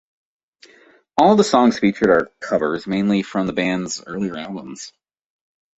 All of the songs featured are covers mainly from the band's early albums.